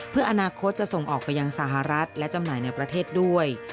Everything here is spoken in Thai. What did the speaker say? เพื่ออนาคตจะส่งออกไปยังสหรัฐและจำหน่ายในประเทศด้วย